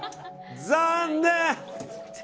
残念！